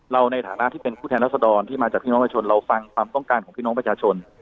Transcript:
ในฐานะที่เป็นผู้แทนรัศดรที่มาจากพี่น้องประชาชนเราฟังความต้องการของพี่น้องประชาชน